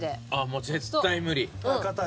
もう絶対無理。